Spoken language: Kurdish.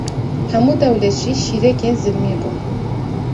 hemû dewlet jî şîrêkên zilmê bûn